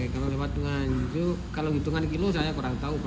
kalau lewat nganjuk kalau hitungan kilo saya kurang tahu